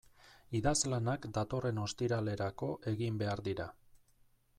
Idazlanak datorren ostiralerako egin behar dira.